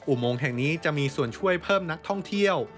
อุโมงแห่งนี้จะมีส่วนช่วยเพิ่มนักท่องเที่ยว